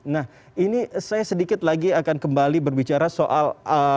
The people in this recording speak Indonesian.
nah ini saya sedikit lagi akan kembali berbicara soal